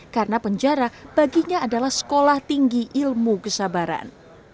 karena penjara baginya adalah sekolah tinggi ilmu kesabaran